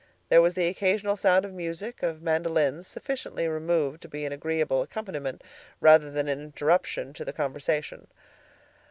There was the occasional sound of music, of mandolins, sufficiently removed to be an agreeable accompaniment rather than an interruption to the conversation.